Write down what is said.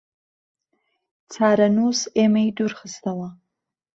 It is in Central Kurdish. چارەنووس ئێمەی دوورخستەوە